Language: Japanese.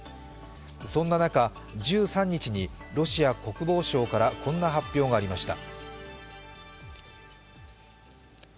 そんな中、１３日にロシア国防省からこんな発表がありました。